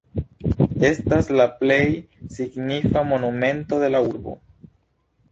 Estas la plej signifa monumento de la urbo.